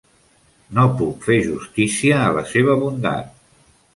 No puc fer justícia a la seva bondat.